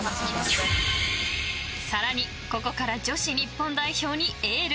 更に、ここから女子日本代表にエール。